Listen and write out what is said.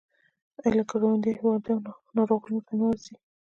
آیا له ګاونډیو هیوادونو ناروغان ورته نه ځي؟